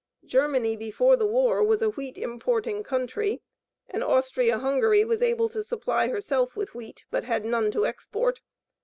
Germany before the war was a wheat importing country, and Austria Hungary was able to supply herself with wheat, but had none to export.